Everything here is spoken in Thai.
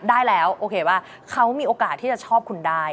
ได้แล้วโอเคว่าเขามีโอกาสที่จะชอบคุณได้